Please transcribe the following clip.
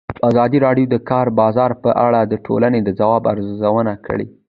ازادي راډیو د د کار بازار په اړه د ټولنې د ځواب ارزونه کړې.